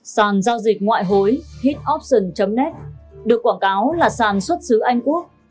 sàn giao dịch ngoại hối hitoption net được quảng cáo là sàn xuất xứ anh quốc